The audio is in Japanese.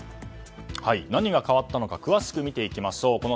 何が変わったのか詳しく見ていきましょう。